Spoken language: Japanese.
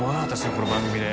この番組で。